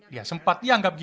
dia sempat dianggap giliran